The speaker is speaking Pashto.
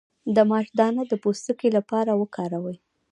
د ماش دانه د پوستکي لپاره وکاروئ